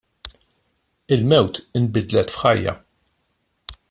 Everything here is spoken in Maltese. Il-mewt inbidlet f'ħajja.